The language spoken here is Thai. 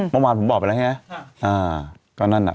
เมื่อวานผมบอกไปแล้วไง